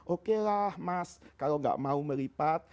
oke lah mas kalau gak mau melipat